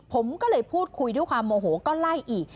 ผมก็เลยพูดคุยด้วยความโมโหก็ไล่อีก